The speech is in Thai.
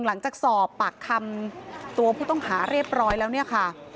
หลังจากสอบปากคำตัวผู้ต้องหาเรียบร้อยแล้วเนี่ยค่ะ